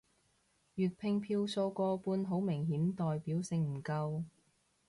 粵拼票數過半好明顯代表性唔夠